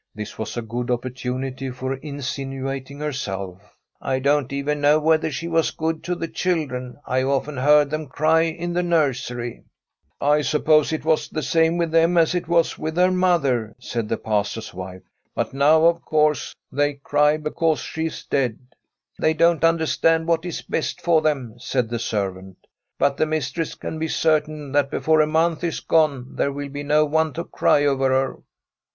This was a good opportunity for insinuating herself. ' I don*t even know whether she was good to the children. I have often heard them cry in the nursery/ * I suppose it was the same with them as it Tbi STORY of a COUNTRY HOUSE was with their mother/ said the Pastor's wife; ' but now, of course, they cry because she is dead.' ' They don't understand what is best for them,' said the servant ;' but the mistress can be certain that before a month is gone there will be no one to cry over her.'